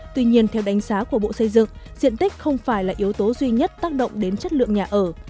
tuy nhiên theo đánh giá của bộ xây dựng diện tích không phải là yếu tố duy nhất tác động đến chất lượng nhà ở